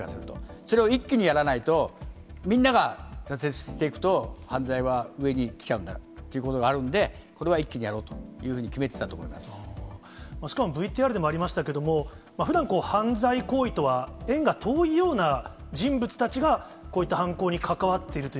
それを一気にやらないと、みんなが挫折していくと、犯罪は上に来ちゃうということがあるんで、これは一気にやろうとしかもＶＴＲでもありましたけど、ふだん、犯罪行為とは縁が遠いような人物たちが、こういった犯行に関わっているという、